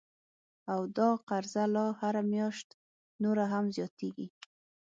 او دا قرضه لا هره میاشت نوره هم زیاتیږي